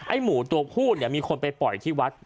หมูตัวผู้เนี่ยมีคนไปปล่อยที่วัด